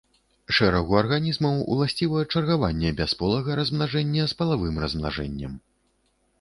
Шэрагу арганізмаў уласціва чаргаванне бясполага размнажэння з палавым размнажэннем.